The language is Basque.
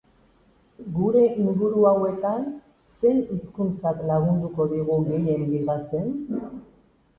Gure inguru hauetan, zein hizkuntzak lagunduko digu gehien ligatzen?